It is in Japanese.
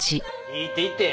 いいっていいって。